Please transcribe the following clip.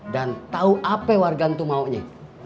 dan tau apa warga itu maunya